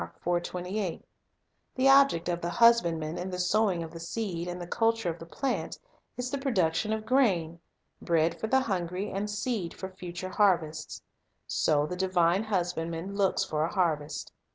2 The object of the husbandman in the sowing of the seed and the culture of the plant, is the production of grain, — bread for the hungry, and seed for future harvests. So the divine Husbandman looks for a harvest.